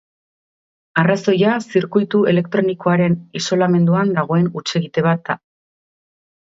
Arrazoia zirkuitu elektronikoaren isolamenduan dagoen hutsegite bat da.